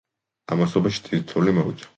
ამასობაში დიდი თოვლი მოვიდა.